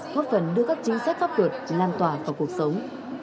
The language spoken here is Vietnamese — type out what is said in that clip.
góp phần đưa các chính sách pháp luật lan tỏa vào cuộc sống